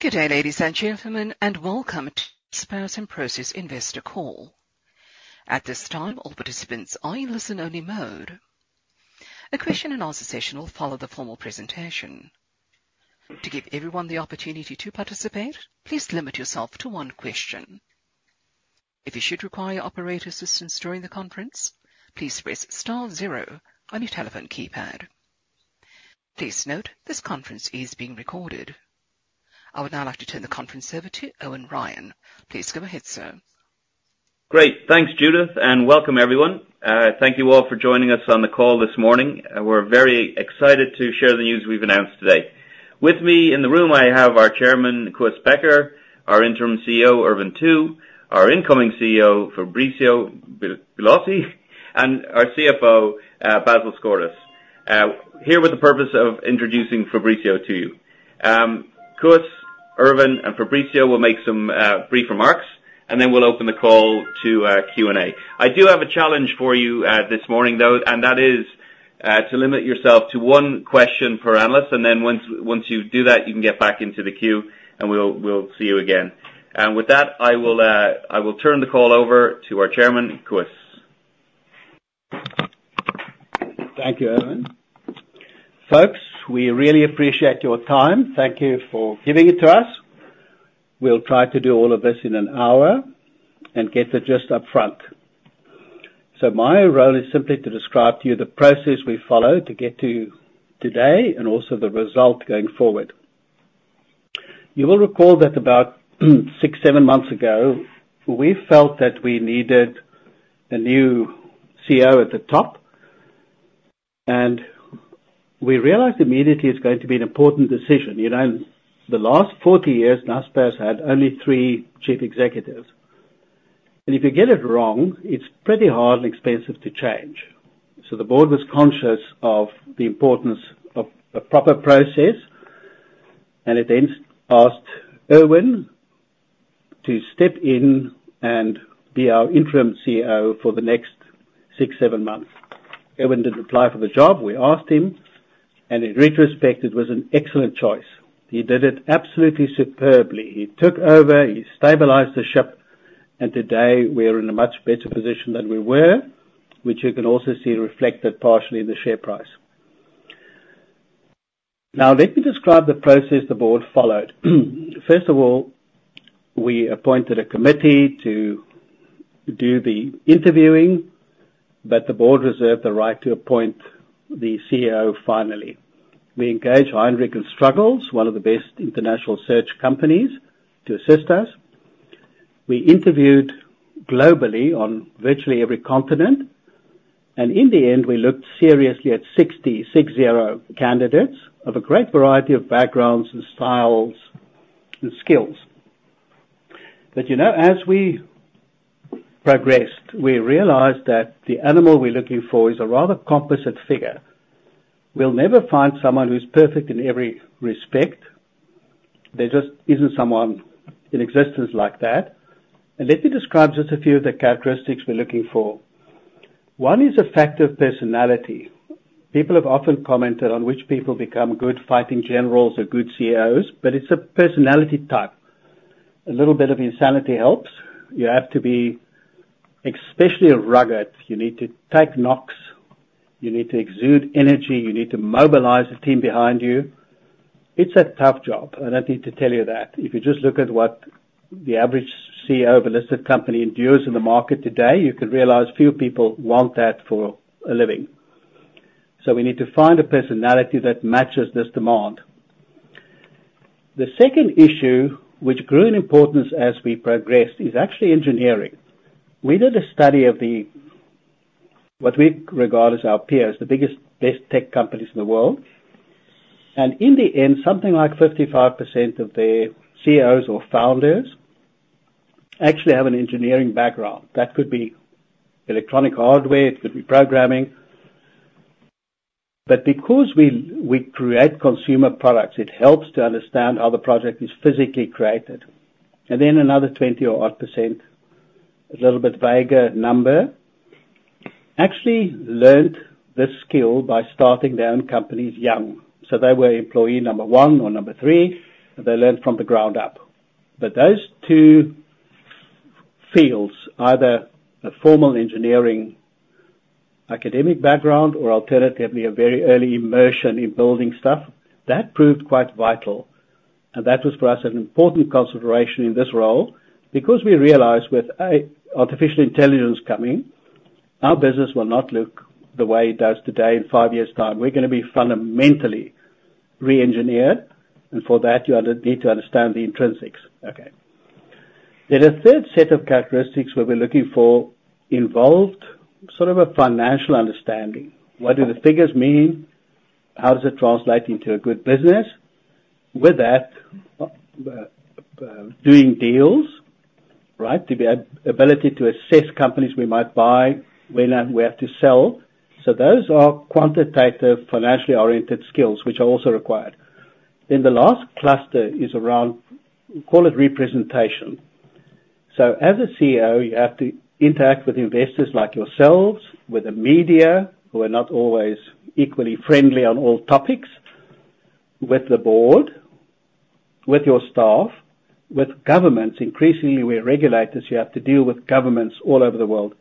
Good day, ladies and gentlemen, and welcome to Prosus and Naspers Investor Call. At this time, all participants are in listen-only mode. A question-and-answer session will follow the formal presentation. To give everyone the opportunity to participate, please limit yourself to one question. If you should require operator assistance during the conference, please press * 0 on your telephone keypad. Please note, this conference is being recorded. I would now like to turn the conference over to Eoin Ryan. Please go ahead, sir. Great. Thanks, Judith, and welcome, everyone. Thank you all for joining us on the call this morning. We're very excited to share the news we've announced today. With me in the room, I have our chairman, Koos Bekker, our interim CEO, Ervin Tu, our incoming CEO, Fabrício Bloisi, and our CFO, Basil Sgourdos. Here with the purpose of introducing Fabrício to you. Koos, Ervin, and Fabrício will make some brief remarks, and then we'll open the call to Q&A. I do have a challenge for you this morning, though, and that is to limit yourself to one question per analyst, and then once you do that, you can get back into the queue, and we'll see you again. And with that, I will turn the call over to our chairman, Koos. Thank you, Ervin. Folks, we really appreciate your time. Thank you for giving it to us. We'll try to do all of this in an hour and get the gist up front. So, my role is simply to describe to you the process we followed to get to today and also the result going forward. You will recall that about 6-7 months ago, we felt that we needed a new CEO at the top, and we realized immediately it's going to be an important decision. You know, the last 40 years, Naspers had only three chief executives. And if you get it wrong, it's pretty hard and expensive to change. So, the board was conscious of the importance of a proper process, and it then asked Ervin to step in and be our interim CEO for the next 6-7 months. Ervin didn't apply for the job. We asked him, and in retrospect, it was an excellent choice. He did it absolutely superbly. He took over, he stabilized the ship, and today we are in a much better position than we were, which you can also see reflected partially in the share price. Now, let me describe the process the board followed. First of all, we appointed a committee to do the interviewing, but the board reserved the right to appoint the CEO finally. We engaged Heidrick & Struggles, one of the best international search companies, to assist us. We interviewed globally on virtually every continent, and in the end, we looked seriously at 60 candidates of a great variety of backgrounds and styles and skills. But you know, as we progressed, we realized that the animal we're looking for is a rather composite figure. We'll never find someone who's perfect in every respect. There just isn't someone in existence like that. Let me describe just a few of the characteristics we're looking for. One is a factor of personality. People have often commented on which people become good fighting generals or good CEOs, but it's a personality type. A little bit of insanity helps. You have to be especially rugged. You need to take knocks, you need to exude energy, you need to mobilize the team behind you. It's a tough job. I don't need to tell you that. If you just look at what the average CEO of a listed company endures in the market today, you could realize few people want that for a living. We need to find a personality that matches this demand. The second issue, which grew in importance as we progressed, is actually engineering. We did a study of the... What we regard as our peers, the biggest, best tech companies in the world. And in the end, something like 55% of their CEOs or founders actually have an engineering background. That could be electronic hardware, it could be programming. But because we create consumer products, it helps to understand how the project is physically created. And then another 20-odd%, a little bit vaguer number, actually learned this skill by starting their own companies young. So, they were employee number 1 or number 3, and they learned from the ground up. But those two fields, either a formal engineering, academic background or alternatively, a very early immersion in building stuff, that proved quite vital. And that was, for us, an important consideration in this role because we realized with artificial intelligence coming, our business will not look the way it does today in five years' time. We're gonna be fundamentally reengineered, and for that, you need to understand the intrinsics. Okay. Then a third set of characteristics that we're looking for involved sort of a financial understanding. What do the figures mean? How does it translate into a good business? With that, doing deals, right? The ability to assess companies we might buy, when we have to sell. So those are quantitative, financially oriented skills, which are also required. Then the last cluster is around, call it representation. So, as a CEO, you have to interact with investors like yourselves, with the media, who are not always equally friendly on all topics, with the board, with your staff, with governments. Increasingly, we're regulators. You have to deal with governments all over the world.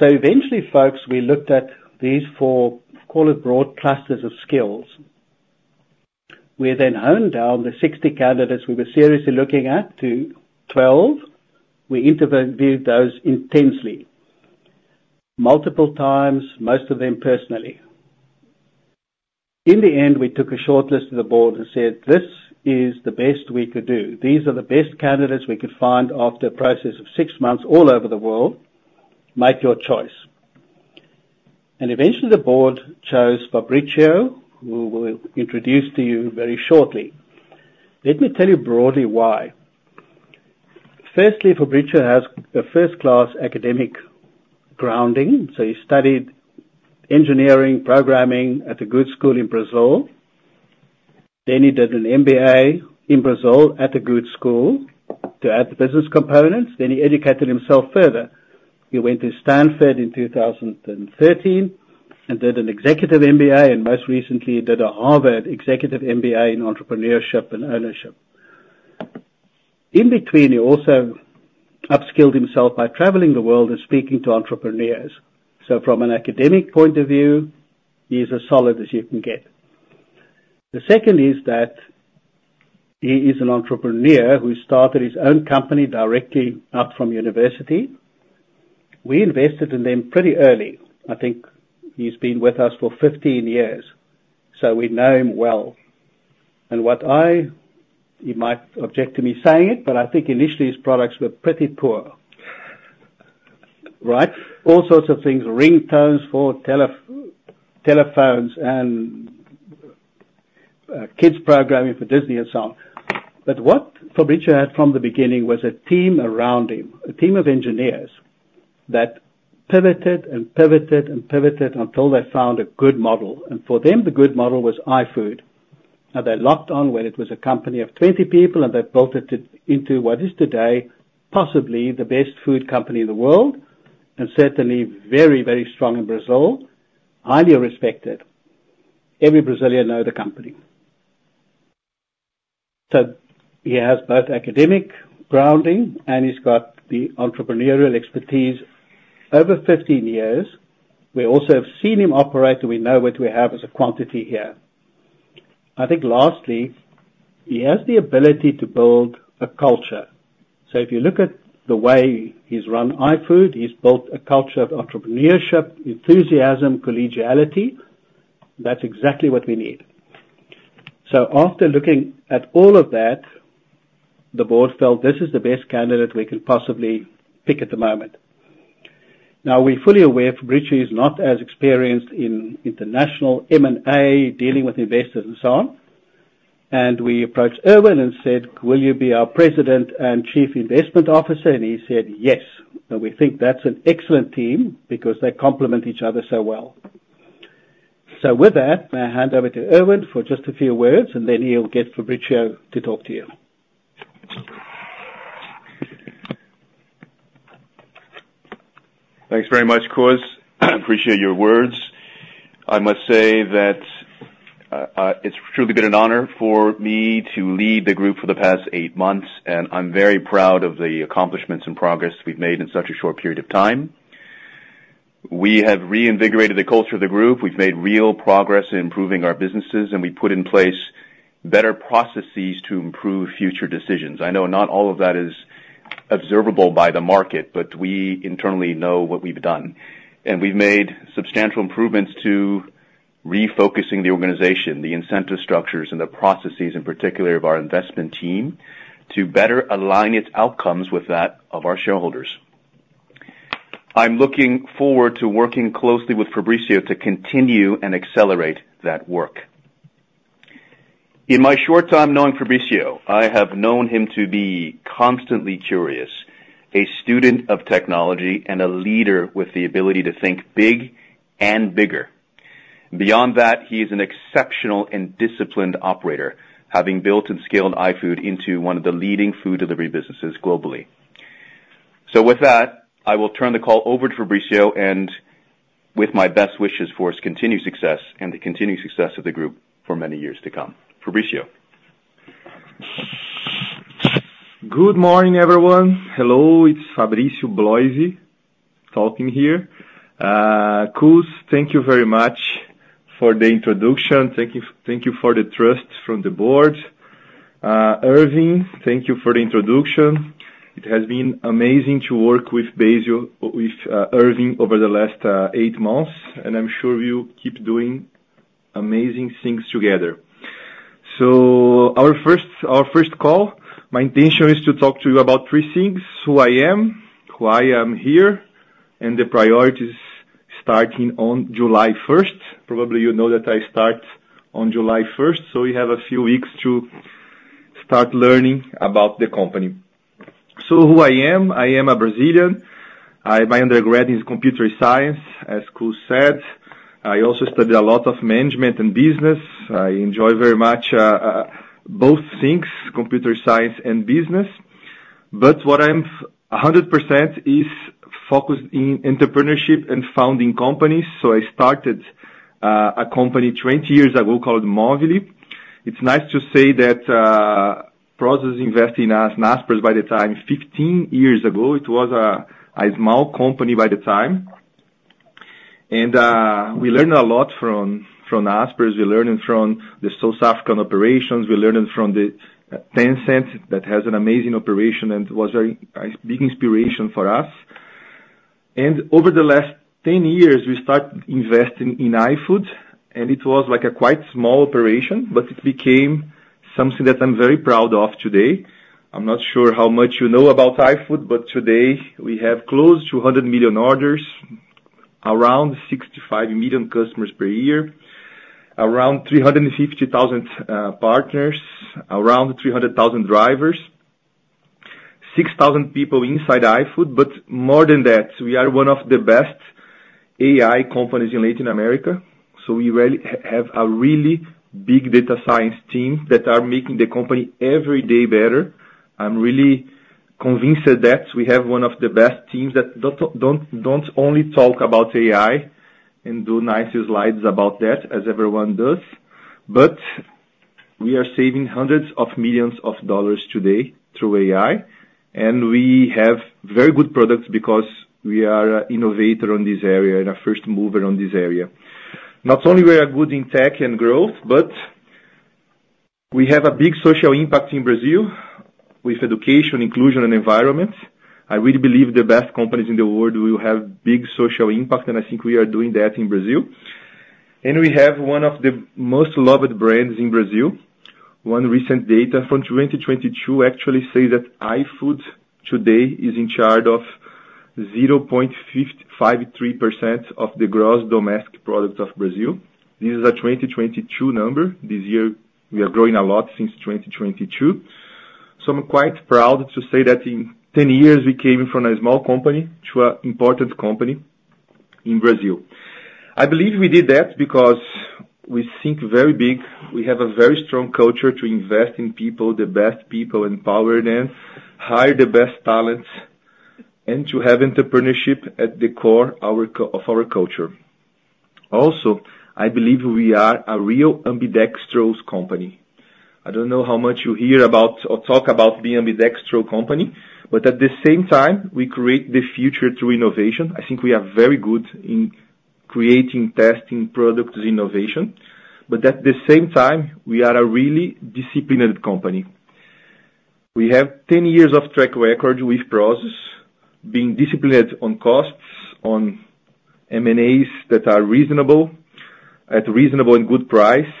So eventually, folks, we looked at these four, call it broad clusters of skills. We then honed down the 60 candidates we were seriously looking at to 12. We interviewed those intensely, multiple times, most of them personally. In the end, we took a short list to the board and said, "This is the best we could do. These are the best candidates we could find after a process of six months all over the world. Make your choice." And eventually, the board chose Fabrício, who we'll introduce to you very shortly. Let me tell you broadly why. Firstly, Fabrício has a first-class academic grounding, so he studied engineering, programming at a good school in Brazil. Then he did an MBA in Brazil at a good school to add the business components. Then he educated himself further. He went to Stanford in 2013 and did an executive MBA, and most recently, did a Harvard executive MBA in entrepreneurship and ownership. In between, he also upskilled himself by traveling the world and speaking to entrepreneurs. So, from an academic point of view, he is as solid as you can get. The second is that he is an entrepreneur who started his own company directly out from university. We invested in them pretty early. I think he's been with us for 15 years, so we know him well. And what I-- he might object to me saying it, but I think initially, his products were pretty poor. Right? All sorts of things, ringtones for telephones and kids' programming for Disney and so on. But what Fabrício had from the beginning was a team around him, a team of engineers that pivoted and pivoted, and pivoted until they found a good model. For them, the good model was iFood. They locked on when it was a company of 20 people, and they built it to into what is today, possibly the best food company in the world, and certainly very, very strong in Brazil, highly respected. Every Brazilian know the company. He has both academic grounding and he's got the entrepreneurial expertise over 15 years. We also have seen him operate, and we know what we have as a quantity here. I think lastly, he has the ability to build a culture. If you look at the way he's run iFood, he's built a culture of entrepreneurship, enthusiasm, collegiality. That's exactly what we need. So, after looking at all of that, the board felt this is the best candidate we could possibly pick at the moment. Now, we're fully aware Fabrício is not as experienced in international M&A, dealing with investors and so on. And we approached Ervin and said, "Will you be our President and Chief Investment Officer?" And he said, "Yes." And we think that's an excellent team because they complement each other so well. So, with that, I hand over to Ervin for just a few words, and then he'll get Fabrício to talk to you. Thanks very much, Koos. I appreciate your words. I must say that it's truly been an honor for me to lead the group for the past eight months, and I'm very proud of the accomplishments and progress we've made in such a short period of time. We have reinvigorated the culture of the group. We've made real progress in improving our businesses, and we put in place better processes to improve future decisions. I know not all of that is observable by the market, but we internally know what we've done. We've made substantial improvements to refocusing the organization, the incentive structures and the processes, in particular of our investment team, to better align its outcomes with that of our shareholders. I'm looking forward to working closely with Fabrício to continue and accelerate that work. In my short time knowing Fabrício, I have known him to be constantly curious, a student of technology and a leader with the ability to think big and bigger. Beyond that, he is an exceptional and disciplined operator, having built and scaled iFood into one of the leading food delivery businesses globally. So with that, I will turn the call over to Fabrício and with my best wishes for his continued success and the continued success of the group for many years to come. Fabrício? Good morning, everyone. Hello, it's Fabrício Bloisi talking here. Koos, thank you very much for the introduction. Thank you, thank you for the trust from the board. Ervin, thank you for the introduction. It has been amazing to work with Ervin over the last eight months, and I'm sure we'll keep doing amazing things together. So, our first, our first call, my intention is to talk to you about three things: who I am, why I am here, and the priorities starting on July 1st. Probably, you know that I start on July 1st, so we have a few weeks to start learning about the company. So, who I am, I am a Brazilian. I, my undergrad is computer science, as Koos said. I also studied a lot of management and business. I enjoy very much both things, computer science and business very much. But what I'm 100% focused in entrepreneurship and founding companies. So I started a company 20 years ago called Movile. It's nice to say that Prosus invested in us, Naspers by the time, 15 years ago. It was a small company by the time. And we learned a lot from Naspers. We learned from the South African operations, we learned from Tencent, that has an amazing operation, and was a big inspiration for us. And over the last 10 years, we started investing in iFood, and it was like a quite small operation, but it became something that I'm very proud of today. I'm not sure how much you know about iFood, but today we have close to 100 million orders, around 65 million customers per year, around 350,000 partners, around 300,000 drivers, 6,000 people inside iFood. But more than that, we are one of the best AI companies in Latin America, so we really have a really big data science team that are making the company every day better. I'm really convinced that we have one of the best teams that don't only talk about AI and do nice slides about that, as everyone does, but we are saving $hundreds of millions today through AI, and we have very good products because we are an innovator on this area and a first mover on this area. Not only we are good in tech and growth, but we have a big social impact in Brazil with education, inclusion and environment. I really believe the best companies in the world will have big social impact, and I think we are doing that in Brazil. We have one of the most loved brands in Brazil. One recent data from 2022 actually says that iFood today is in charge of 0.553% of the Gross Domestic Product of Brazil. This is a 2022 number. This year, we are growing a lot since 2022. I'm quite proud to say that in 10 years, we came from a small company to an important company in Brazil. I believe we did that because we think very big. We have a very strong culture to invest in people, the best people, empower them, hire the best talents, and to have entrepreneurship at the core of our culture. Also, I believe we are a real ambidextrous company. I don't know how much you hear about or talk about being ambidextrous company, but at the same time, we create the future through innovation. I think we are very good in creating, testing products innovation. But at the same time, we are a really disciplined company. We have 10 years of track record with Prosus, being disciplined on costs, on M&As that are reasonable, at reasonable and good price.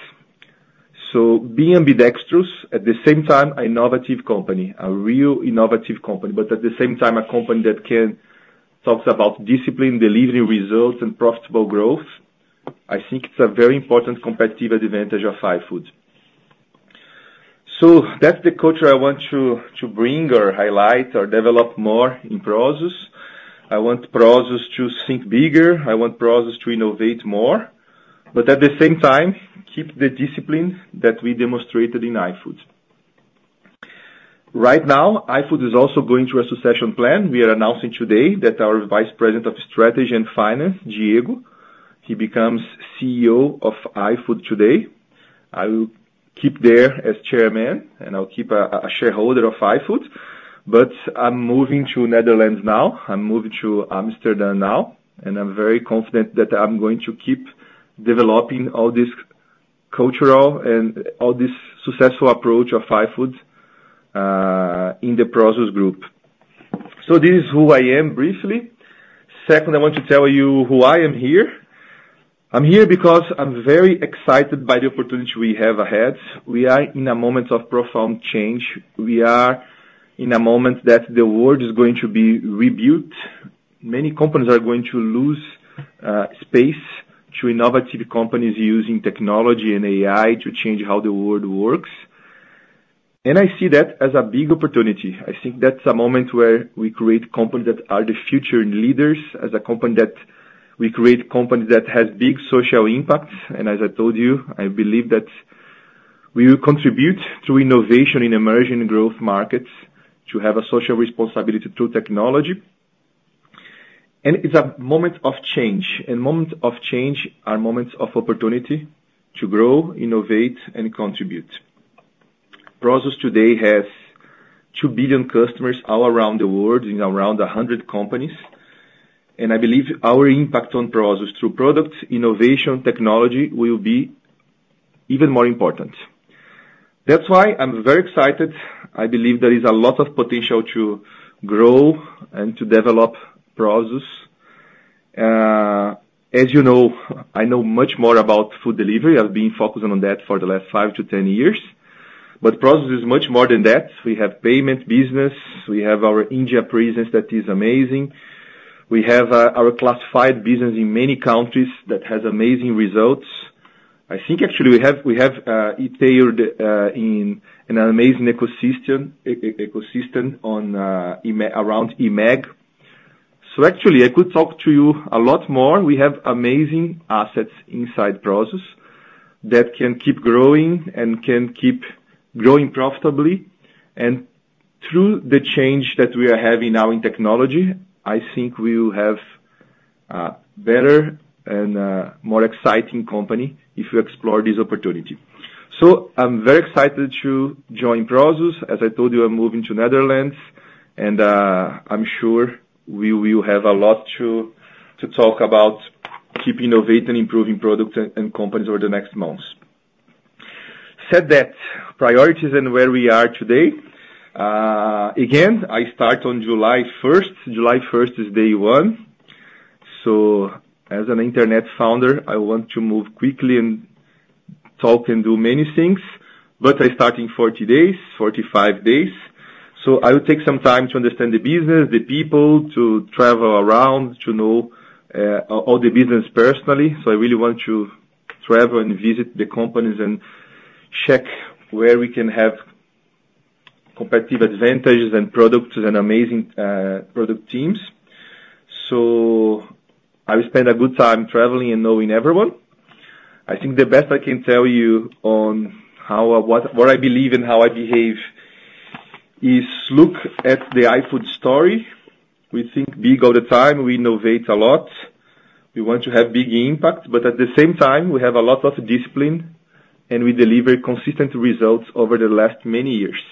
So being ambidextrous, at the same time, an innovative company, a real innovative company, but at the same time, a company that talks about discipline, delivering results and profitable growth, I think it's a very important competitive advantage of iFood. So that's the culture I want to bring or highlight or develop more in Prosus. I want Prosus to think bigger, I want Prosus to innovate more, but at the same time, keep the discipline that we demonstrated in iFood. Right now, iFood is also going through a succession plan. We are announcing today that our Vice President of Strategy and Finance, Diego, he becomes CEO of iFood today. I will keep there as Chairman, and I'll keep a shareholder of iFood, but I'm moving to Netherlands now. I'm moving to Amsterdam now, and I'm very confident that I'm going to keep developing all this cultural and all this successful approach of iFood in the Prosus Group. So this is who I am, briefly. Second, I want to tell you why I am here. I'm here because I'm very excited by the opportunity we have ahead. We are in a moment of profound change. We are in a moment that the world is going to be rebuilt. Many companies are going to lose space to innovative companies using technology and AI to change how the world works. And I see that as a big opportunity. I think that's a moment where we create companies that are the future leaders, as a company that we create companies that has big social impact. As I told you, I believe that we will contribute to innovation in emerging growth markets, to have a social responsibility through technology. It's a moment of change, and moment of change are moments of opportunity to grow, innovate, and contribute. Prosus today has 2 billion customers all around the world, in around 100 companies, and I believe our impact on Prosus through product innovation, technology, will be even more important. That's why I'm very excited. I believe there is a lot of potential to grow and to develop Prosus. As you know, I know much more about food delivery. I've been focusing on that for the last 5-10 years. But Prosus is much more than that. We have payment business; we have our India presence that is amazing. We have our classified business in many countries that has amazing results.... I think actually we have retail in an amazing ecosystem around eMAG. So actually, I could talk to you a lot more. We have amazing assets inside Prosus that can keep growing and can keep growing profitably. And through the change that we are having now in technology, I think we will have better and more exciting company if you explore this opportunity. So, I'm very excited to join Prosus. As I told you, I'm moving to Netherlands, and I'm sure we will have a lot to talk about keeping innovate and improving products and companies over the next months. That said, priorities and where we are today, again, I start on July 1st. July 1st is day one. So, as an internet founder, I want to move quickly and talk and do many things, but I am starting 40 days, 45 days, so I will take some time to understand the business, the people, to travel around, to know all the business personally. So, I really want to travel and visit the companies and check where we can have competitive advantages and products and amazing product teams. So, I will spend a good time traveling and knowing everyone. I think the best I can tell you on how or what, what I believe and how I behave is look at the iFood story. We think big all the time. We innovate a lot. We want to have big impact, but at the same time, we have a lot of discipline, and we deliver consistent results over the last many years.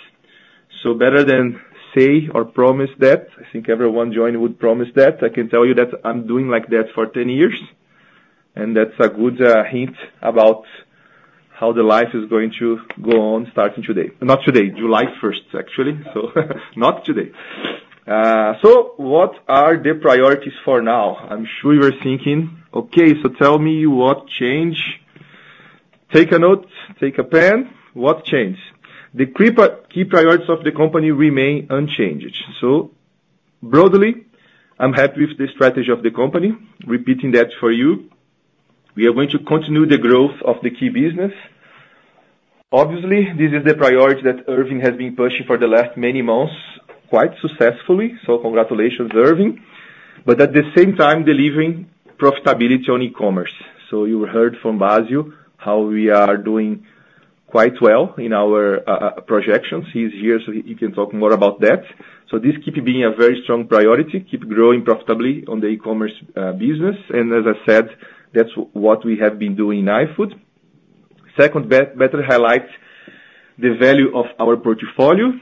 So better than say or promise that I think everyone joining would promise that. I can tell you that I'm doing like that for 10 years, and that's a good hint about how the life is going to go on starting today. Not today, July 1st, actually. So not today. So, what are the priorities for now? I'm sure you are thinking, "Okay, so tell me what change?" Take a note, take a pen. What change? The key priorities of the company remain unchanged. So broadly, I'm happy with the strategy of the company. Repeating that for you. We are going to continue the growth of the key business. Obviously, this is the priority that Ervin has been pushing for the last many months, quite successfully. So, congratulations, Ervin. But at the same time, delivering profitability on e-commerce. So, you heard from Basil how we are doing quite well in our projections. He's here, so he can talk more about that. These keeps being a very strong priority, keep growing profitably on the e-commerce business, and as I said, that's what we have been doing in iFood. Second, better highlight the value of our portfolio.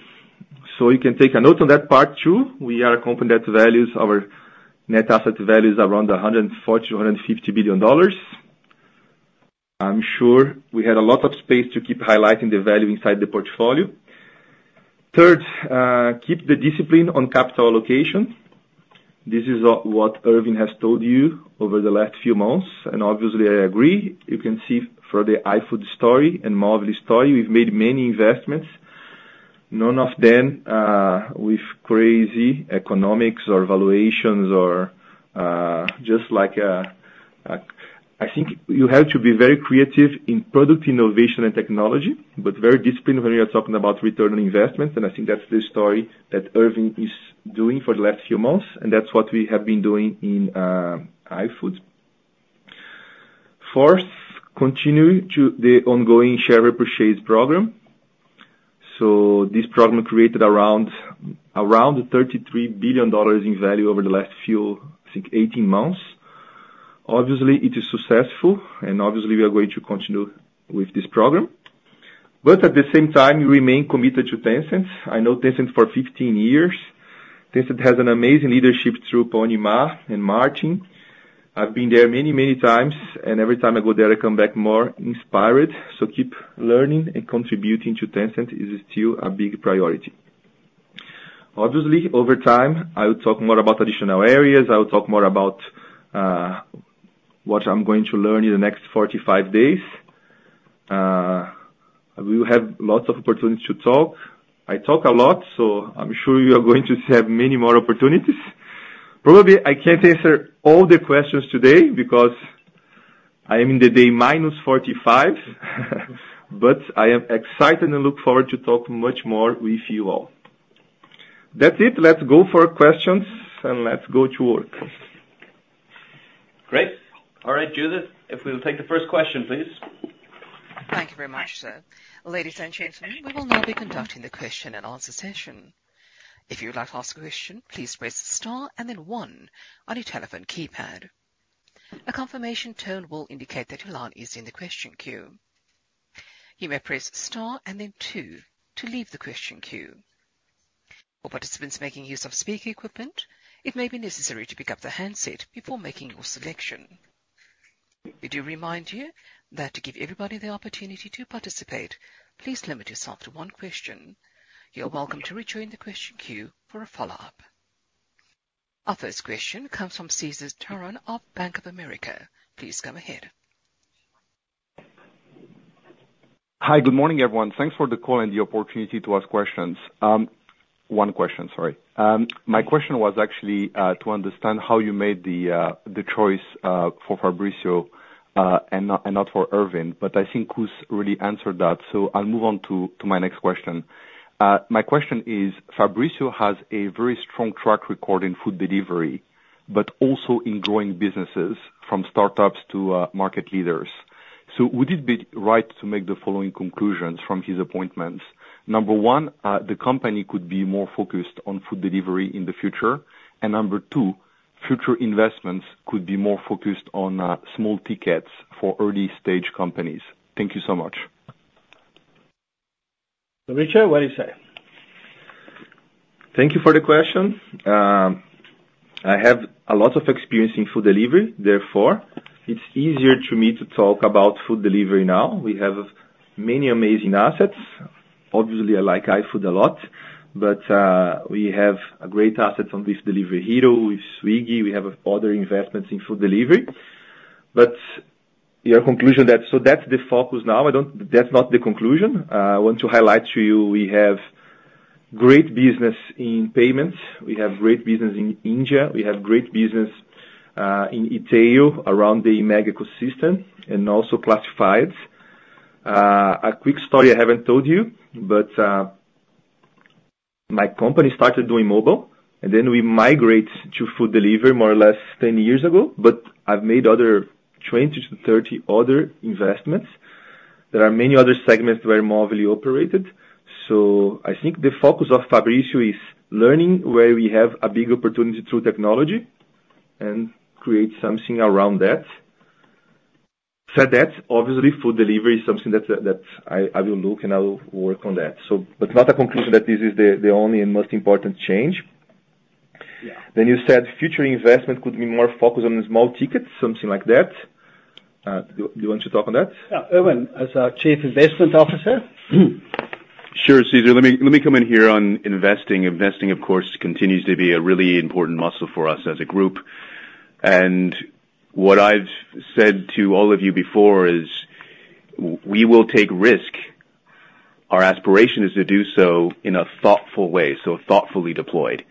You can take a note on that part, too. We are a company that values our net asset values around $140 billion-$150 billion. I'm sure we had a lot of space to keep highlighting the value inside the portfolio. Third, keep the discipline on capital allocation. This is what Ervin has told you over the last few months, and obviously, I agree. You can see from the iFood story and Movile story, we've made many investments, none of them with crazy economics or valuations or just like... I think you have to be very creative in product innovation and technology, but very disciplined when you are talking about return on investment. I think that's the story that Ervin is doing for the last few months, and that's what we have been doing in iFood. Fourth, continue to the ongoing share repurchase program. So, this program created around $33 billion in value over the last few, I think, 18 months. Obviously, it is successful, and obviously, we are going to continue with this program. But at the same time, we remain committed to Tencent. I know Tencent for 15 years. Tencent has an amazing leadership through Pony Ma and Martin. I've been there many, many times, and every time I go there, I come back more inspired. So, keep learning and contributing to Tencent is still a big priority. Obviously, over time, I will talk more about additional areas. I will talk more about what I'm going to learn in the next 45 days. We will have lots of opportunities to talk. I talk a lot, so I'm sure you are going to have many more opportunities. Probably, I can't answer all the questions today because I am in the day minus 45, but I am excited and look forward to talking much more with you all. That's it. Let's go for questions, and let's go to work. Great. All right, Judith, if we'll take the first question, please. Thank you very much, sir. Ladies and gentlemen, we will now be conducting the question-and-answer session. If you would like to ask a question, please press star and then one on your telephone keypad. A confirmation tone will indicate that your line is in the question queue. You may press star and then two to leave the question queue. For participants making use of speaker equipment, it may be necessary to pick up the handset before making your selection. We do remind you that to give everybody the opportunity to participate, please limit yourself to one question. You are welcome to rejoin the question queue for a follow-up. Our first question comes from Cesar Tiron of Bank of America. Please go ahead.... Hi, good morning, everyone. Thanks for the call and the opportunity to ask questions. One question, sorry. My question was actually to understand how you made the choice for Fabrício and not for Ervin. But I think Koos really answered that, so I'll move on to my next question. My question is: Fabrício has a very strong track record in food delivery, but also in growing businesses, from startups to market leaders. So would it be right to make the following conclusions from his appointments? Number one, the company could be more focused on food delivery in the future, and number two, future investments could be more focused on small tickets for early-stage companies. Thank you so much. So, Fabrício, what do you say? Thank you for the question. I have a lot of experience in food delivery, therefore, it's easier to me to talk about food delivery now. We have many amazing assets. Obviously, I like iFood a lot, but we have great assets on this Delivery Hero, with Swiggy, we have other investments in food delivery. But your conclusion that... So that's the focus now, that's not the conclusion. I want to highlight to you, we have great business in payments, we have great business in India, we have great business in Itaú, around the mega ecosystem and also classifieds. A quick story I haven't told you, but my company started doing mobile, and then we migrate to food delivery more or less 10 years ago, but I've made other 20 to 30 other investments. There are many other segments that were Movile operated. So, I think the focus of Fabrício is learning where we have a big opportunity through technology and create something around that. That said, obviously, food delivery is something that, that I, I will look and I will work on that. So... But it's not a conclusion that this is the, the only and most important change. Yeah. Then you said future investment could be more focused on small tickets, something like that. Do you want to talk on that? Yeah. Ervin, as our Chief Investment Officer. Sure, Cesar, let me come in here on investing. Investing, of course, continues to be a really important muscle for us as a group. And what I've said to all of you before is, we will take risk. Our aspiration is to do so in a thoughtful way, so thoughtfully deployed.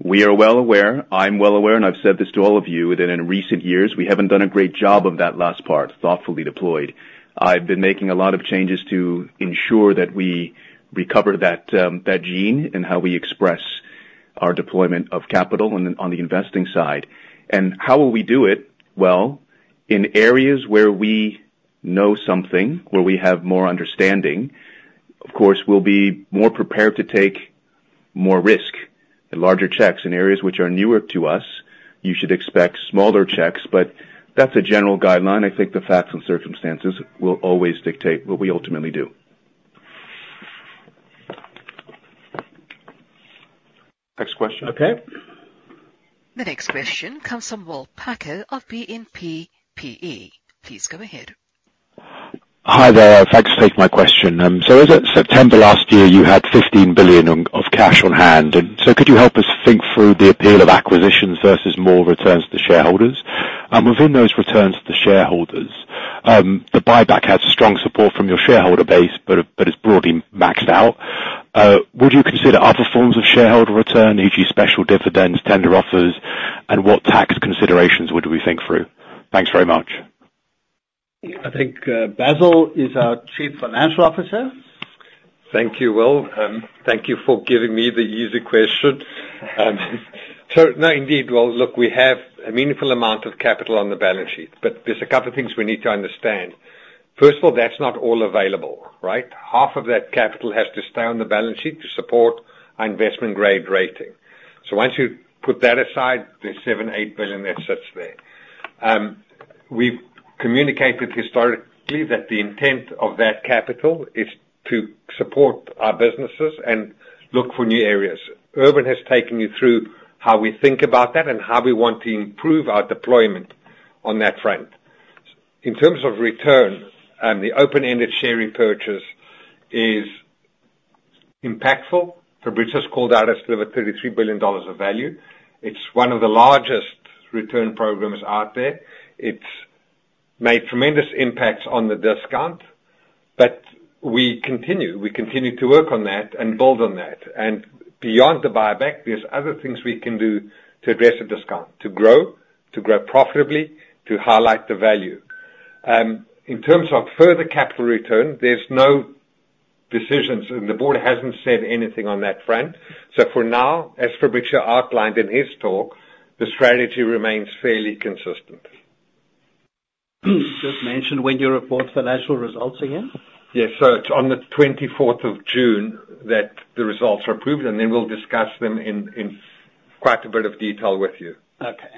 We are well aware, I'm well aware, and I've said this to all of you, that in recent years, we haven't done a great job of that last part, thoughtfully deployed. I've been making a lot of changes to ensure that we recover that gene and how we express our deployment of capital on the investing side. And how will we do it? Well, in areas where we know something, where we have more understanding, of course, we'll be more prepared to take more risk and larger checks. In areas which are newer to us, you should expect smaller checks, but that's a general guideline. I think the facts and circumstances will always dictate what we ultimately do. Next question. Okay. The next question comes from Will Packer of Exane BNP Paribas. Please go ahead. Hi there. Thanks for taking my question. So as at September last year, you had $15 billion of cash on hand. So, could you help us think through the appeal of acquisitions versus more returns to shareholders? Within those returns to the shareholders, the buyback has strong support from your shareholder base, but it's broadly maxed out. Would you consider other forms of shareholder return, e.g. special dividends, tender offers, and what tax considerations would we think through? Thanks very much. I think, Basil is our Chief Financial Officer. Thank you, Will, thank you for giving me the easy question. So no, indeed, well, look, we have a meaningful amount of capital on the balance sheet, but there's a couple things we need to understand. First of all, that's not all available, right? Half of that capital has to stay on the balance sheet to support our investment grade rating. So, once you put that aside, there's $7 billion-$8 billion that sits there. We've communicated historically that the intent of that capital is to support our businesses and look for new areas. Ervin has taken you through how we think about that and how we want to improve our deployment on that front. In terms of return, the open-ended share repurchase is impactful. Fabrício's called out us deliver $33 billion of value. It's one of the largest return programs out there. It's made tremendous impacts on the discount, but we continue to work on that and build on that. Beyond the buyback, there's other things we can do to address the discount, to grow profitably, to highlight the value. In terms of further capital return, there's no decisions, and the board hasn't said anything on that front. For now, as Fabricio outlined in his talk, the strategy remains fairly consistent. Just mention when you report financial results again? Yes. So, it's on the twenty-fourth of June that the results are approved, and then we'll discuss them in quite a bit of detail with you. Okay.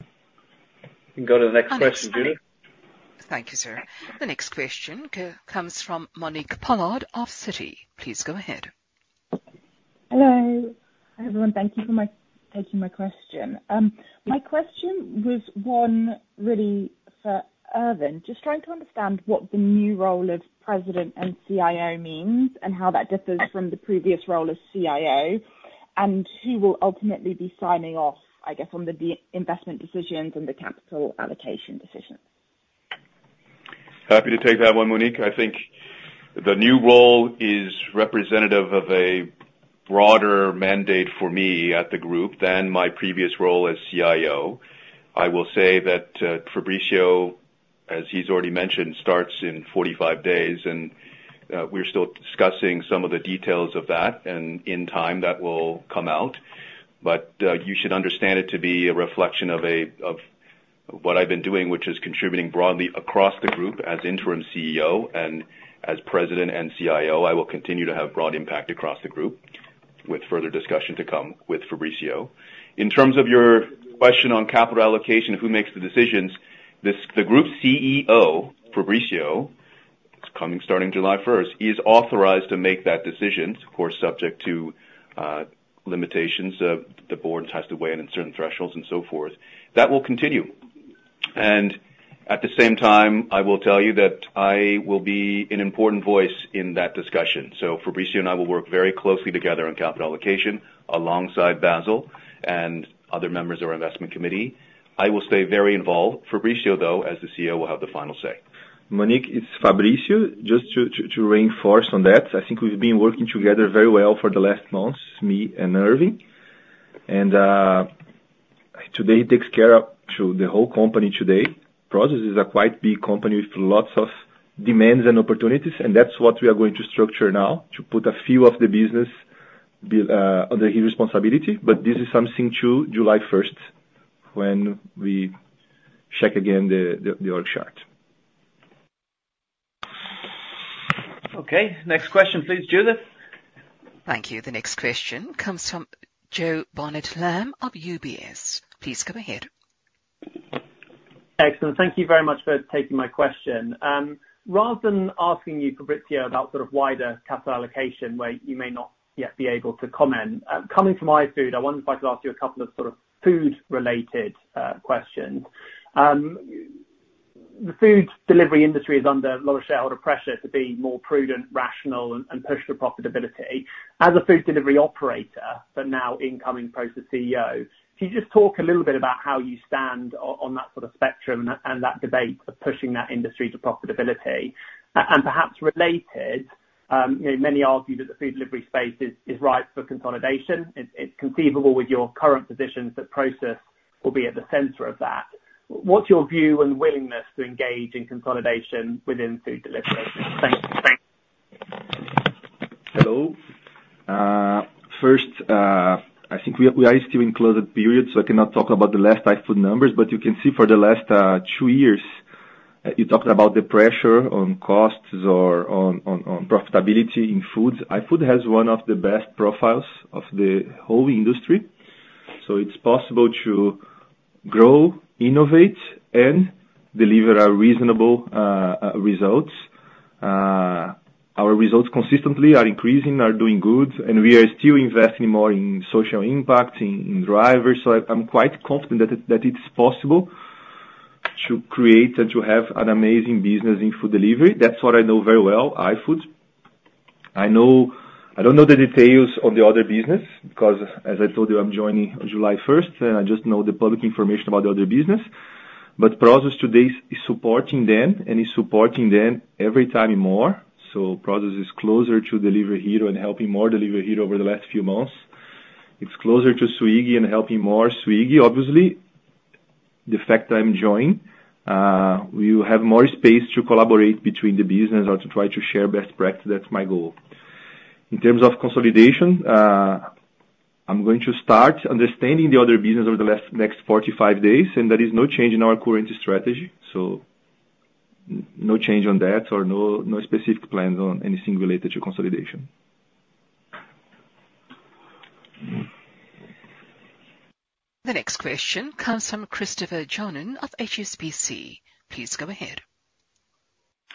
You can go to the next question. Thank you, sir. The next question comes from Monique Pollard of Citi. Please go ahead. Hello, everyone. Thank you for taking my question. My question was, one, really for Ervin. Just trying to understand what the new role of President and CIO means, and how that differs from the previous role of CIO?... and who will ultimately be signing off, I guess, on the disinvestment decisions and the capital allocation decisions? Happy to take that one, Monique. I think the new role is representative of a broader mandate for me at the group than my previous role as CIO. I will say that Fabrício, as he's already mentioned, starts in 45 days, and we're still discussing some of the details of that, and in time that will come out. You should understand it to be a reflection of a, of what I've been doing, which is contributing broadly across the group as Interim CEO, and as President and CIO, I will continue to have broad impact across the group, with further discussion to come with Fabrício. In terms of your question on capital allocation, who makes the decisions? This. The Group CEO, Fabrício, is coming starting July 1st, he is authorized to make that decision, of course, subject to, limitations. The board has to weigh in on certain thresholds and so forth. That will continue. At the same time, I will tell you that I will be an important voice in that discussion. Fabrício and I will work very closely together on capital allocation, alongside Basil and other members of our investment committee. I will stay very involved. Fabrício, though, as the CEO, will have the final say. Monique, it's Fabrício. Just to reinforce on that, I think we've been working together very well for the last months, me and Ervin. Today, he takes care of the whole company today. Prosus is a quite big company with lots of demands and opportunities, and that's what we are going to structure now, to put a few of the business under his responsibility. But this is something to July 1st, when we check again the org chart. Okay, next question, please, Judith. Thank you. The next question comes from Joe Barnett-Lamb of UBS. Please go ahead. Excellent. Thank you very much for taking my question. Rather than asking you, Fabrício, about sort of wider capital allocation, where you may not yet be able to comment, coming from iFood, I wonder if I could ask you a couple of sort of food-related questions. The food delivery industry is under a lot of shareholder pressure to be more prudent, rational, and push for profitability. As a food delivery operator, but now incoming Prosus CEO, can you just talk a little bit about how you stand on that sort of spectrum and that debate of pushing that industry to profitability? And perhaps related, you know, many argue that the food delivery space is ripe for consolidation. It's conceivable with your current positions, that Prosus will be at the center of that. What's your view and willingness to engage in consolidation within food delivery? Thank you. Hello. First, I think we are still in closed period, so I cannot talk about the last iFood numbers, but you can see for the last two years, you talked about the pressure on costs or on profitability in foods. iFood has one of the best profiles of the whole industry, so it's possible to grow, innovate, and deliver our reasonable results. Our results consistently are increasing, are doing good, and we are still investing more in social impact, in drivers. So, I'm quite confident that it's possible to create and to have an amazing business in food delivery. That's what I know very well, iFood. I know... I don't know the details of the other business, because as I told you, I'm joining on July 1st, and I just know the public information about the other business. But Prosus today is supporting them and is supporting them every time more. So Prosus is closer to Delivery Hero and helping more Delivery Hero over the last few months. It's closer to Swiggy and helping more Swiggy. Obviously, the fact I'm joining, we will have more space to collaborate between the business or to try to share best practice. That's my goal. In terms of consolidation, I'm going to start understanding the other business over the next 45 days, and there is no change in our current strategy. So, no change on that or no, no specific plans on anything related to consolidation. The next question comes from Christopher Johnen of HSBC. Please go ahead.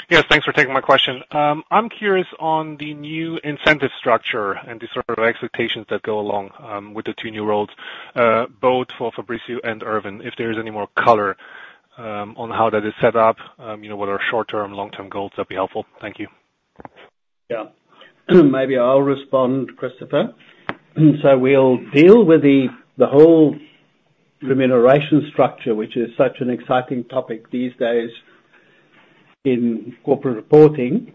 Yes, thanks for taking my question. I'm curious on the new incentive structure and the sort of expectations that go along with the two new roles, both for Fabrício and Ervin. If there is any more color on how that is set up, you know, what are short-term, long-term goals, that'd be helpful. Thank you. Yeah. Maybe I'll respond, Christopher. So, we'll deal with the whole remuneration structure, which is such an exciting topic these days in corporate reporting,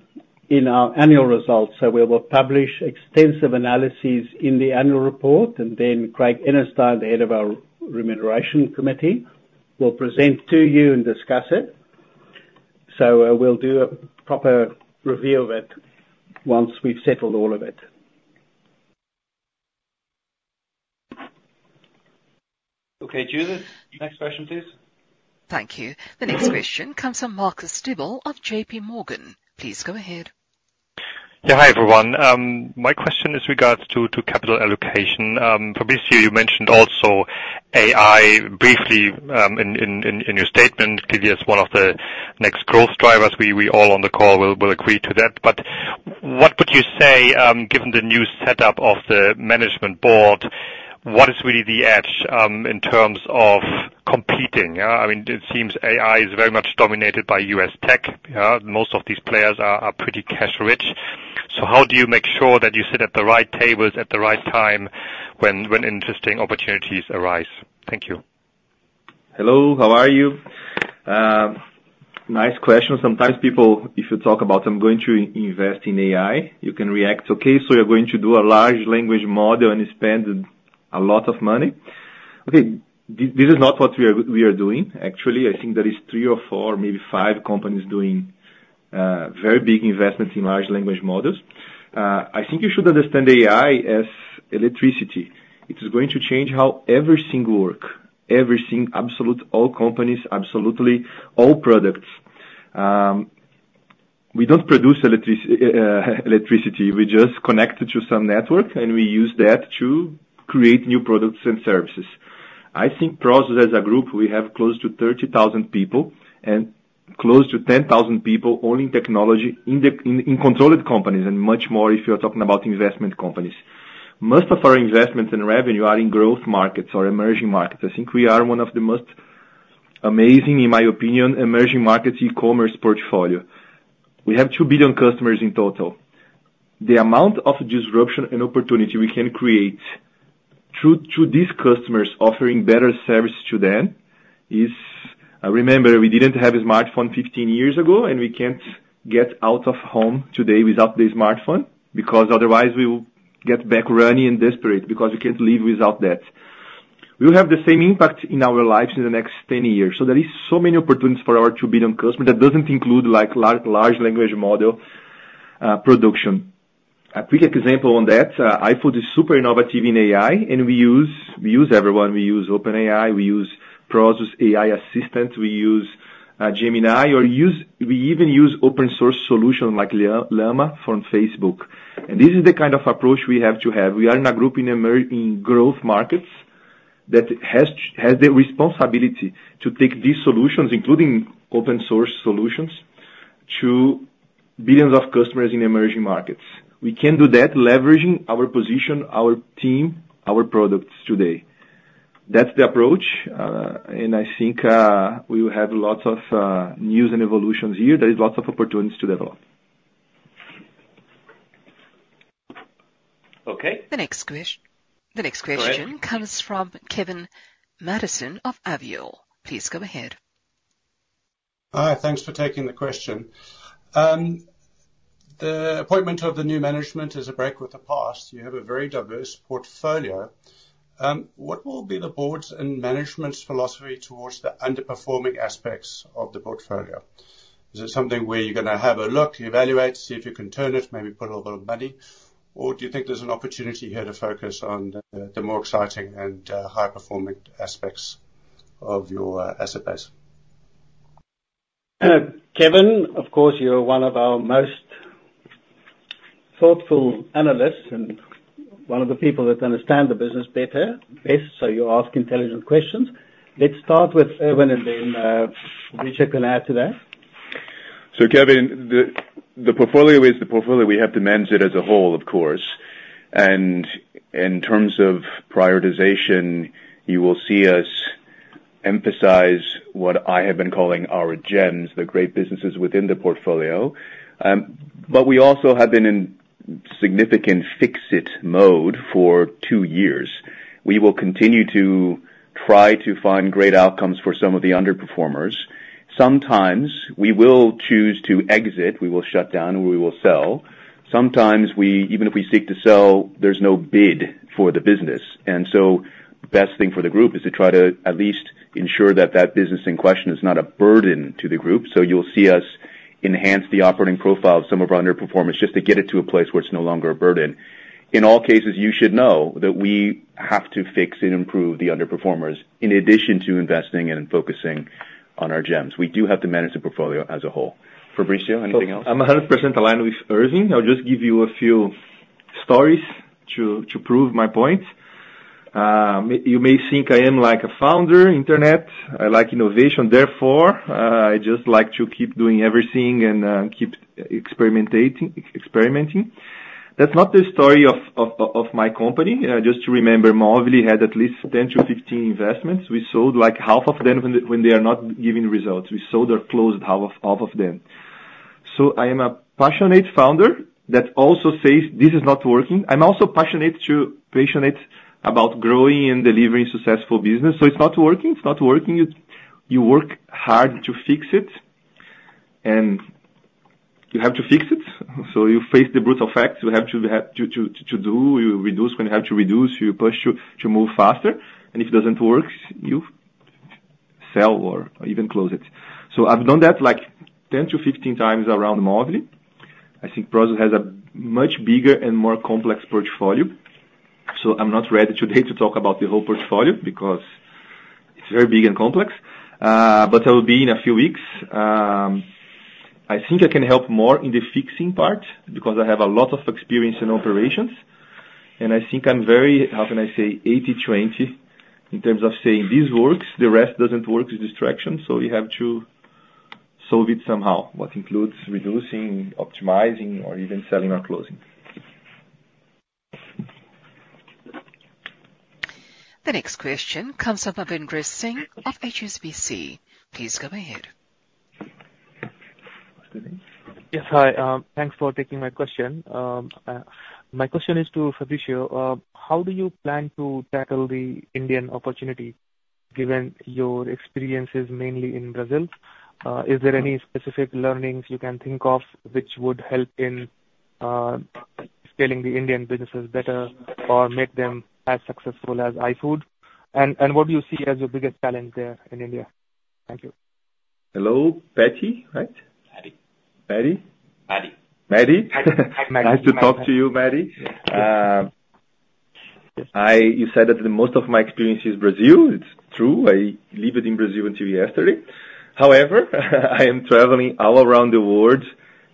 in our annual results. So, we will publish extensive analyses in the annual report, and then Craig Enenstein, the head of our Remuneration Committee, will present to you and discuss it. So, we'll do a proper review of it once we've settled all of it. Okay, Judith, next question, please. Thank you. The next question comes from Marcus Diebel of J.P. Morgan. Please go ahead. Yeah, hi, everyone. My question is regard to capital allocation. Fabrício, you mentioned also AI briefly in your statement, clearly as one of the next growth drivers. We all on the call will agree to that, but what would you say, given the new setup of the management board-... what is really the edge, in terms of competing, yeah? I mean, it seems AI is very much dominated by U.S. tech, yeah. Most of these players are pretty cash rich. So how do you make sure that you sit at the right tables at the right time when interesting opportunities arise? Thank you. Hello, how are you? Nice question. Sometimes people, if you talk about them going to invest in AI, you can react. Okay, so you're going to do a large language model and spend a lot of money. Okay, this, this is not what we are, we are doing. Actually, I think there is three or four, maybe five companies doing very big investments in large language models. I think you should understand AI as electricity. It is going to change how everything works, everything, absolute, all companies, absolutely all products. We don't produce electricity, we just connect it to some network, and we use that to create new products and services. I think Prosus, as a group, we have close to 30,000 people, and close to 10,000 people only in technology, in controlled companies, and much more if you're talking about investment companies. Most of our investments in revenue are in growth markets or emerging markets. I think we are one of the most amazing, in my opinion, emerging markets e-commerce portfolio. We have 2 billion customers in total. The amount of disruption and opportunity we can create through these customers, offering better service to them, is. Remember, we didn't have a smartphone 15 years ago, and we can't get out of home today without the smartphone, because otherwise we will get back running and desperate because we can't live without that. We will have the same impact in our lives in the next 10 years, so there is so many opportunities for our 2 billion customers that doesn't include, like, large language model production. A quick example on that, iFood is super innovative in AI, and we use, we use everyone. We use OpenAI, we use Prosus AI Assistant, we use Gemini, we even use open-source solution like Llama from Facebook. And this is the kind of approach we have to have. We are in a group in emerging growth markets that has the responsibility to take these solutions, including open-source solutions, to billions of customers in emerging markets. We can do that, leveraging our position, our team, our products today. That's the approach, and I think we will have lots of news and evolutions here. There is lots of opportunities to develop. Okay. The next question. Go ahead. comes from Kevin Mattison of Avior. Please go ahead. Hi, thanks for taking the question. The appointment of the new management is a break with the past. You have a very diverse portfolio. What will be the board's and management's philosophy towards the underperforming aspects of the portfolio? Is it something where you're gonna have a look, evaluate, see if you can turn it, maybe put a little money? Or do you think there's an opportunity here to focus on the more exciting and high-performing aspects of your asset base? Kevin, of course, you're one of our most thoughtful analysts and one of the people that understand the business better, best, so you ask intelligent questions. Let's start with Ervin, and then, Fabrício can add to that. So, Kevin, the portfolio is the portfolio. We have to manage it as a whole, of course. In terms of prioritization, you will see us emphasize what I have been calling our gems, the great businesses within the portfolio. But we also have been in significant fix-it mode for two years. We will continue to try to find great outcomes for some of the underperformers. Sometimes we will choose to exit, we will shut down, or we will sell. Sometimes, even if we seek to sell, there's no bid for the business. So, the best thing for the group is to try to at least ensure that that business in question is not a burden to the group. So, you'll see us enhance the operating profile of some of our underperformers, just to get it to a place where it's no longer a burden. In all cases, you should know that we have to fix and improve the underperformers, in addition to investing and focusing on our gems. We do have to manage the portfolio as a whole. Fabrício, anything else? I'm 100% aligned with Ervin. I'll just give you a few stories to prove my point. You may think I am like a founder, internet. I like innovation; therefore, I just like to keep doing everything and keep experimenting. That's not the story of my company. Just to remember, Movile had at least 10-15 investments. We sold, like, half of them when they are not giving results. We sold or closed half of them. So, I am a passionate founder that also says, "This is not working." I'm also passionate to, passionate about growing and delivering successful business. So, it's not working, it's not working, you work hard to fix it, and you have to fix it. So, you face the brutal facts. You have to do... You reduce when you have to reduce, you push to, to move faster, and if it doesn't work, you sell or even close it. So, I've done that, like, 10-15 times around Movile. I think Prosus has a much bigger and more complex portfolio, so I'm not ready today to talk about the whole portfolio because it's very big and complex. But I will be in a few weeks. I think I can help more in the fixing part, because I have a lot of experience in operations, and I think I'm very... how can I say? 80/20, in terms of saying, "This works, the rest doesn't work, it's a distraction," so we have to solve it somehow, what includes reducing, optimizing, or even selling or closing. The next question comes from Madhvendra Singh of HSBC. Please go ahead. Yes, hi. Thanks for taking my question. My question is to Fabrício. How do you plan to tackle the Indian opportunity, given your experiences mainly in Brazil? Is there any specific learnings you can think of which would help in scaling the Indian businesses better or make them as successful as iFood? And what do you see as your biggest challenge there in India? Thank you. Hello, Patty, right? Maddy. Maddy? Maddy. Maddy. Hi, Maddy. Nice to talk to you, Maddy. You said that the most of my experience is Brazil. It's true, I lived in Brazil until yesterday. However, I am traveling all around the world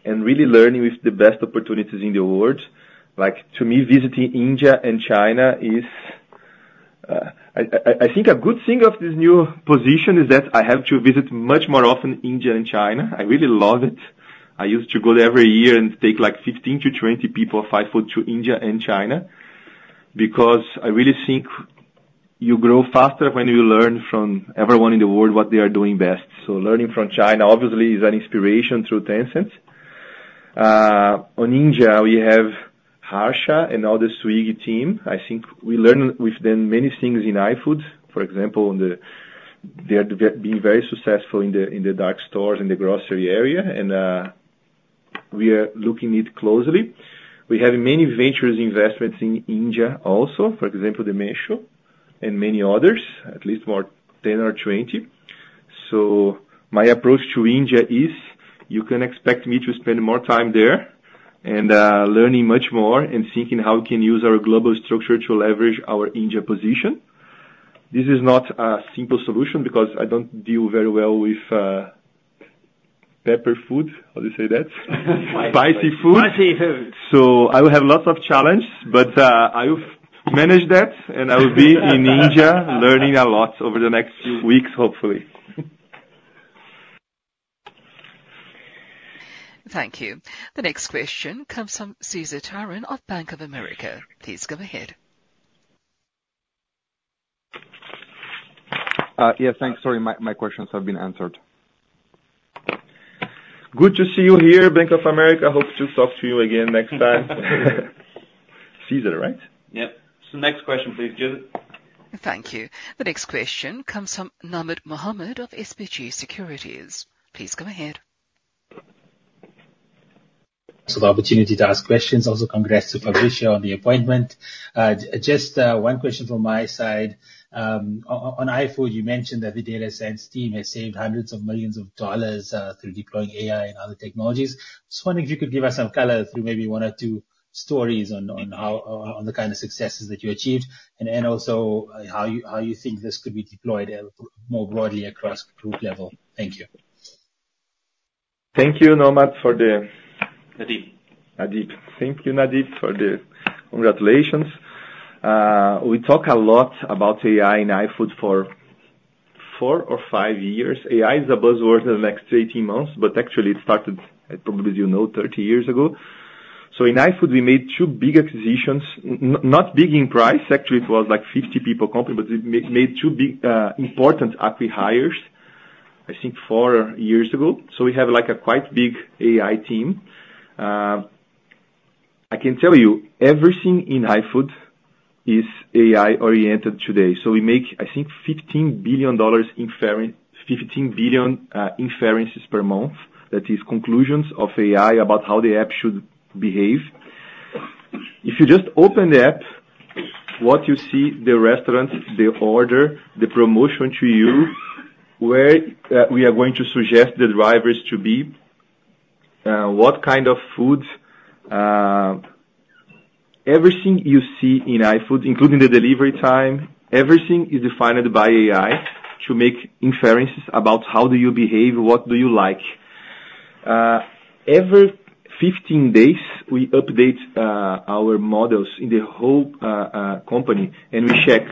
and really learning with the best opportunities in the world. Like, to me, visiting India and China is. I think a good thing of this new position is that I have to visit much more often India and China. I really love it. I used to go there every year and take, like, 15-20 people, iFood, to India and China, because I really think you grow faster when you learn from everyone in the world what they are doing best. So, learning from China obviously is an inspiration through Tencent. On India, we have Harsha and all the Swiggy team. I think we learn with them many things in iFood. For example, they are being very successful in the dark stores in the grocery area, and we are looking at it closely. We have many venture investments in India also, for example, the Meesho and many others, at least 10 or 20 more. So, my approach to India is, you can expect me to spend more time there and learning much more and thinking how we can use our global structure to leverage our India position. This is not a simple solution because I don't deal very well with pepper food. How do you say that? Spicy food. Spicy food. I will have lots of challenge, but I will manage that, and I will be in India learning a lot over the next weeks, hopefully. Thank you. The next question comes from Cesar Tiron of Bank of America. Please go ahead. Yes, thanks. Sorry, my questions have been answered. Good to see you here, Bank of America. Hope to talk to you again next time. Cesar, right? Yep. So next question, please, Judy. Thank you. The next question comes from Nadim Mohamed of SBG Securities. Please go ahead. ... So, the opportunity to ask questions, also congrats to Fabrício on the appointment. Just one question from my side. On iFood, you mentioned that the data science team has saved hundreds of millions of dollars through deploying AI and other technologies. Just wondering if you could give us some color through maybe one or two stories on how, on the kind of successes that you achieved, and also how you think this could be deployed more broadly across group level. Thank you. Thank you, Nadim, for the- Nadeep. Nadim. Thank you, Nadim, for the congratulations. We talk a lot about AI in iFood for 4 or 5 years. AI is a buzzword in the next 18 months, but actually it started, probably, you know, 30 years ago. So, in iFood, we made two big acquisitions. Not big in price, actually, it was like 50 people company, but we made two big, important acqui-hires, I think 4 years ago. So, we have, like, a quite big AI team. I can tell you, everything in iFood is AI-oriented today. So, we make, I think, 15 billion inferences per month. That is conclusions of AI about how the app should behave. If you just open the app, what you see, the restaurant, the order, the promotion to you, where we are going to suggest the drivers to be, what kind of foods, everything you see in iFood, including the delivery time, everything is defined by AI to make inferences about how do you behave, what do you like. Every 15 days, we update our models in the whole company, and we check.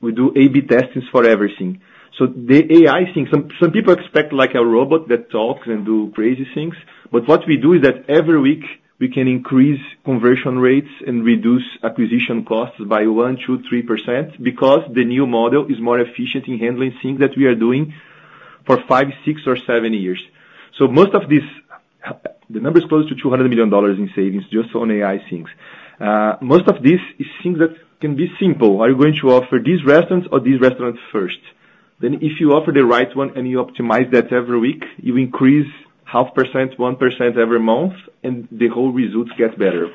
We do A/B tests for everything. So the AI thing, some people expect like a robot that talks and do crazy things, but what we do is that every week, we can increase conversion rates and reduce acquisition costs by 1, 2, 3% because the new model is more efficient in handling things that we are doing for 5, 6 or 7 years. So, most of this, the number is close to $200 million in savings just on AI things. Most of this is things that can be simple. Are you going to offer this restaurant or this restaurant first? Then if you offer the right one and you optimize that every week, you increase 0.5%, 1% every month, and the whole results get better.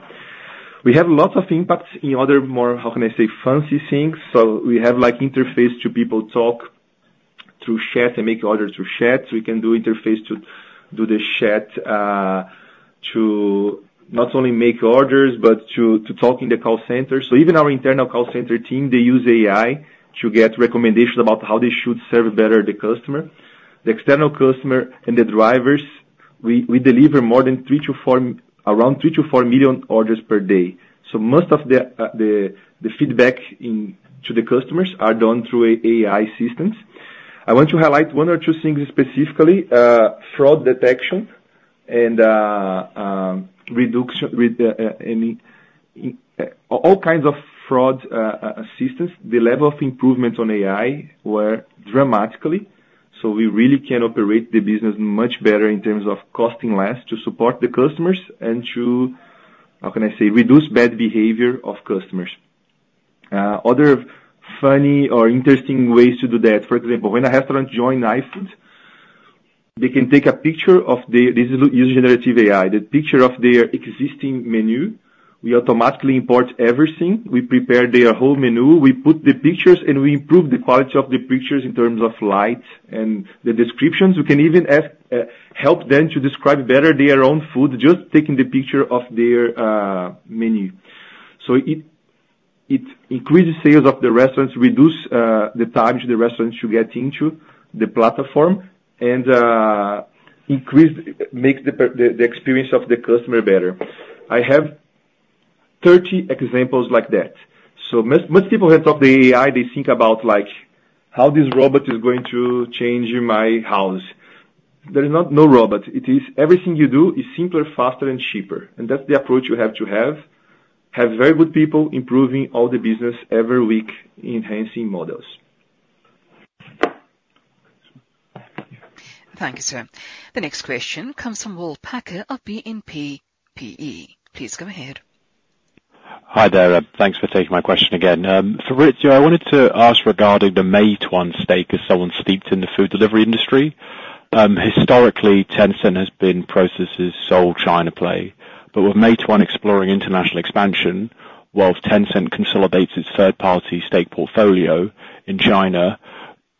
We have lots of impacts in other more, how can I say, fancy things. So, we have, like, interface to people talk through chat and make orders through chat. We can do interface to do the chat, to not only make orders, but to, to talk in the call center. So even our internal call center team, they use AI to get recommendations about how they should serve better the customer. The external customer and the drivers-... We deliver more than 3-4—around 3-4 million orders per day. So, most of the feedback to the customers is done through AI systems. I want to highlight one or two things specifically, fraud detection and reduction with all kinds of fraud assistance. The level of improvement on AI were dramatically, so we really can operate the business much better in terms of costing less to support the customers and to, how can I say, reduce bad behavior of customers. Other funny or interesting ways to do that, for example, when a restaurant join iFood, they can take a picture of the... This is using generative AI, the picture of their existing menu, we automatically import everything. We prepare their whole menu, we put the pictures, and we improve the quality of the pictures in terms of light and the descriptions. We can even ask help them to describe better their own food, just taking the picture of their menu. So, it increases sales of the restaurants, reduce the time to the restaurants to get into the platform, and makes the experience of the customer better. I have 30 examples like that. So, most people who talk about AI, they think about, like, how this robot is going to change my house. There is not no robot. It is everything you do is simpler, faster, and cheaper, and that's the approach you have to have. Have very good people improving all the business every week, enhancing models. Thank you, sir. The next question comes from Will Packer of BNP Paribas. Please go ahead. Hi there. Thanks for taking my question again. So Fabrício, I wanted to ask regarding the Meituan stake as someone steeped in the food delivery industry. Historically, Tencent has been Prosus's sole China play, but with Meituan exploring international expansion, while Tencent consolidates its third-party stake portfolio in China,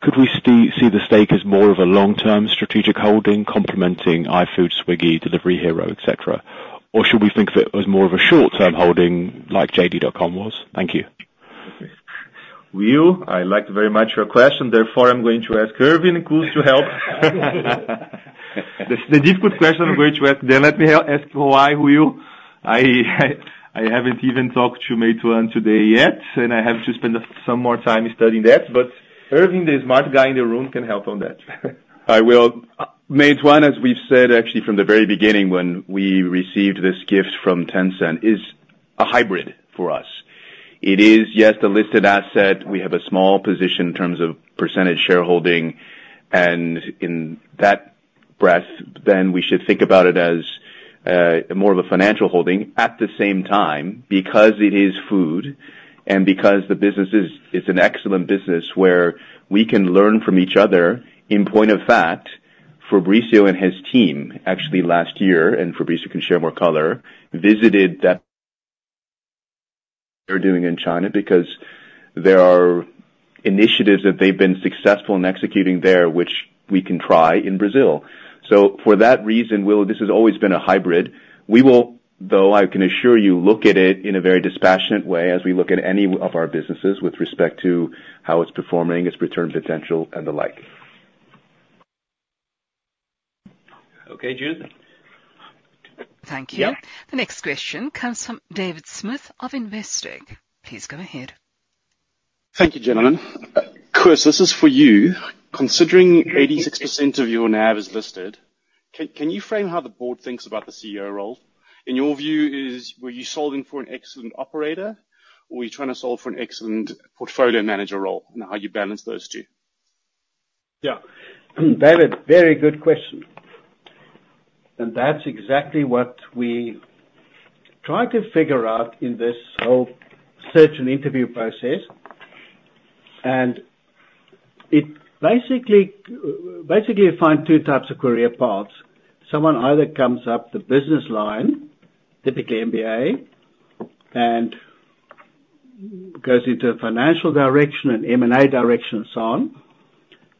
could we see the stake as more of a long-term strategic holding, complementing iFood, Swiggy, Delivery Hero, et cetera? Or should we think of it as more of a short-term holding, like JD.com was? Thank you. Will, I like very much your question, therefore, I'm going to ask Ervin and Koos to help. That's the difficult question I'm going to ask them. Let me ask why, Will. I haven't even talked to Meituan today yet, and I have to spend some more time studying that, but Ervin, the smart guy in the room, can help on that. Hi, Will. Meituan, as we've said, actually from the very beginning when we received this gift from Tencent, is a hybrid for us. It is, yes, a listed asset. We have a small position in terms of percentage shareholding, and in that regard, then we should think about it as more of a financial holding. At the same time, because it is food and because the business is, it's an excellent business where we can learn from each other. In point of fact, Fabrício and his team, actually last year, and Fabrício can share more color, visited that... They're doing in China because there are initiatives that they've been successful in executing there, which we can try in Brazil. So, for that reason, Will, this has always been a hybrid. We will, though I can assure you, look at it in a very dispassionate way as we look at any of our businesses with respect to how it's performing, its return potential, and the like. Okay, Judith? Thank you. Yeah. The next question comes from David Smith of Investec. Please go ahead. Thank you, gentlemen. Koos, this is for you. Considering 86% of your NAV is listed, can you frame how the board thinks about the CEO role? In your view, were you solving for an excellent operator, or were you trying to solve for an excellent portfolio manager role, and how you balance those two? Yeah, David, very good question. That's exactly what we tried to figure out in this whole search and interview process. It basically, basically, you find two types of career paths. Someone either comes up the business line, typically MBA, and goes into a financial direction, and M&A direction, and so on,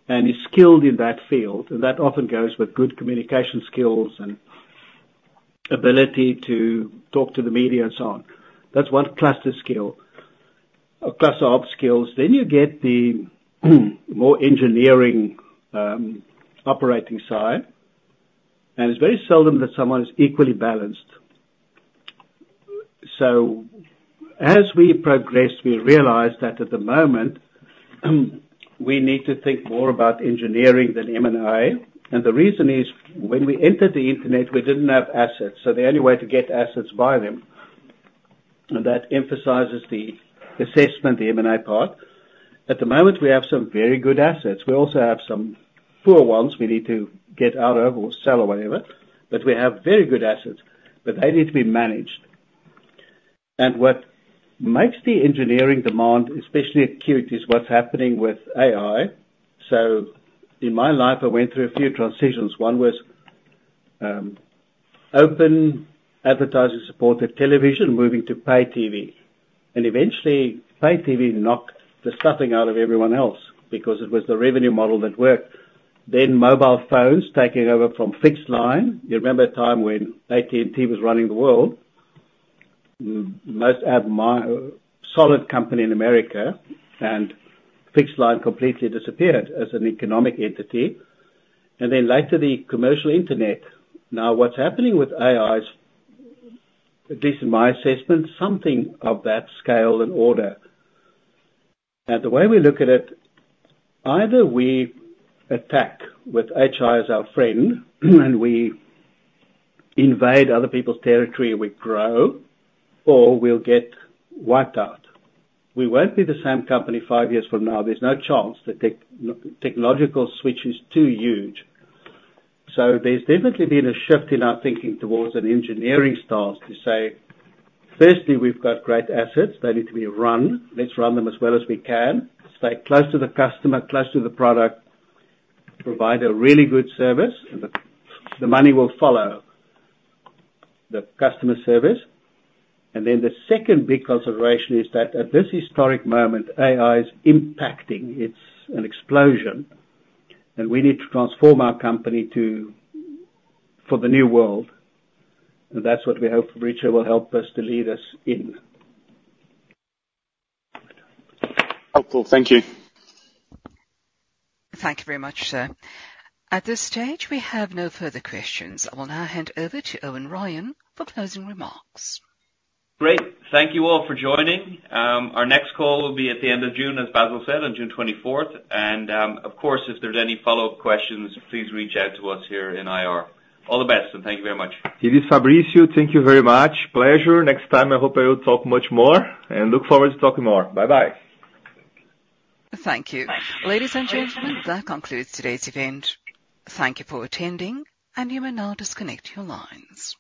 and is skilled in that field. And that often goes with good communication skills and ability to talk to the media and so on. That's one cluster skill, or cluster of skills. Then you get the more engineering operating side, and it's very seldom that someone is equally balanced. As we progressed, we realized that at the moment, we need to think more about engineering than M&A. And the reason is, when we entered the internet, we didn't have assets, so the only way to get assets, buy them, and that emphasizes the assessment, the M&A part. At the moment, we have some very good assets. We also have some poor ones we need to get out of or sell or whatever, but we have very good assets, but they need to be managed. And what makes the engineering demand, especially acute, is what's happening with AI. So, in my life, I went through a few transitions. One was, open advertising-supported television, moving to pay TV, and eventually, pay TV knocked the stuffing out of everyone else because it was the revenue model that worked. Then mobile phones taking over from fixed line. You remember a time when AT&T was running the world?... most admired, solid company in America, and fixed line completely disappeared as an economic entity, and then later, the commercial internet. Now, what's happening with AI is, at least in my assessment, something of that scale and order. And the way we look at it, either we attack with AI as our friend, and we invade other people's territory, and we grow, or we'll get wiped out. We won't be the same company five years from now, there's no chance. The technological switch is too huge. So, there's definitely been a shift in our thinking towards an engineering stance to say: firstly, we've got great assets. They need to be run. Let's run them as well as we can. Stay close to the customer, close to the product, provide a really good service, and the money will follow the customer service. And then, the second big consideration is that at this historic moment, AI is impacting. It's an explosion, and we need to transform our company to... for the new world, and that's what we hope Fabrício will help us to lead us in. Helpful. Thank you. Thank you very much, sir. At this stage, we have no further questions. I will now hand over to Eoin Ryan for closing remarks. Great. Thank you all for joining. Our next call will be at the end of June, as Basil said, on June 24th. And, of course, if there's any follow-up questions, please reach out to us here in IR. All the best and thank you very much. It is Fabrício. Thank you very much. Pleasure. Next time, I hope I will talk much more and look forward to talking more. Bye-bye. Thank you. Ladies and gentlemen, that concludes today's event. Thank you for attending, and you may now disconnect your lines.